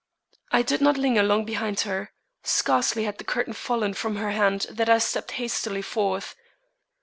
I did not linger long behind her. Scarcely had the curtain fallen from her hand than I stepped hastily forth.